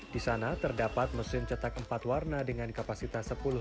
disana terdapat mesin cetak empat warna dengan kapasitas sepuluh lembar per jam